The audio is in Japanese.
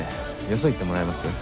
よそ行ってもらえます？